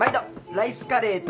ライスカレーや。